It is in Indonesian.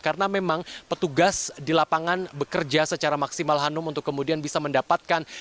karena memang petugas di lapangan bekerja secara maksimal hanum untuk kemudian bisa mendapatkan